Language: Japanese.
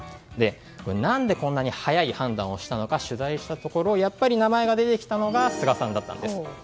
何でこんなに早い判断をしたのか取材したところやっぱり名前が出てきたのが菅さんだったんです。